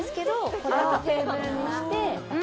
これをテーブルにして。